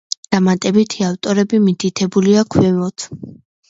დამატებითი ავტორები მითითებულია ქვემოთ.